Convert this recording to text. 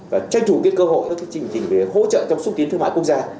và tranh thủ cơ hội các chương trình về hỗ trợ trong xúc tiến thương mại quốc gia